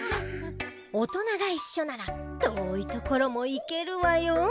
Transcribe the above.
大人が一緒なら遠いところも行けるわよ。